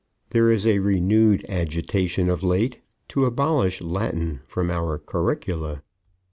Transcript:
There is a renewed agitation of late to abolish Latin from our curricula.